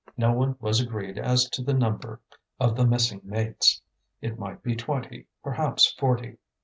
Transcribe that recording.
No one was agreed as to the number of the missing mates. It might be twenty, perhaps forty.